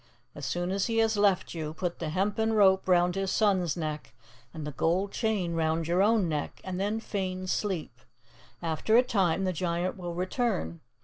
As soon as he has left you, put the hempen rope round his son's neck and the gold chain round your own neck, and then feign sleep. After a time, the giant will return.